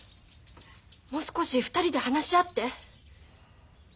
もう少し２人で話し合って。